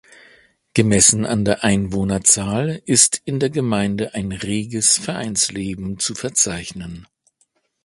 Gemessen an der Einwohnerzahl ist in der Gemeinde ein reges Vereinsleben zu verzeichnen.